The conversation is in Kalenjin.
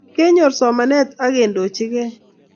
Kenyor somanet ab kendochikei